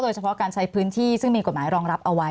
เฉพาะการใช้พื้นที่ซึ่งมีกฎหมายรองรับเอาไว้